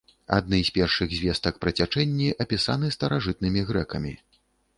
Адны з першых звестак пра цячэнні апісаны старажытнымі грэкамі.